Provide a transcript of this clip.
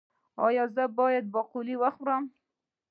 ایا زه باید باقلي وخورم؟